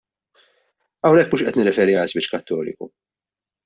Hawnhekk mhux qed nirreferi għal żwieġ Kattoliku.